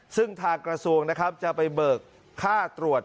ซึ่งทางกระทรวงจะไปเบิกค่าตรวจ